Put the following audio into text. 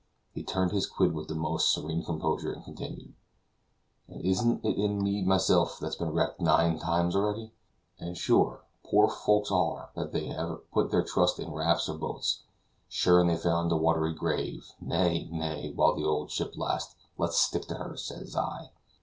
He turned his quid with the most serene composure, and continued: "And isn't it me myself that's been wrecked nine times already? and sure, poor fools are they that ever have put their trust in rafts or boats; sure and they found a wathery grave. Nay, nay; while the ould ship lasts, let's stick to her, says I."